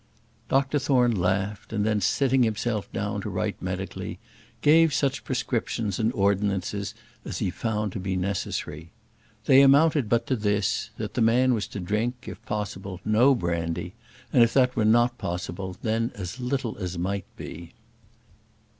Dr Thorne laughed, and then, sitting himself down to write medically, gave such prescriptions and ordinances as he found to be necessary. They amounted but to this: that the man was to drink, if possible, no brandy; and if that were not possible, then as little as might be.